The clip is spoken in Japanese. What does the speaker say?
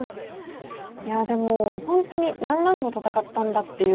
いやでも本当に何ラウンド戦ったんだっていうような。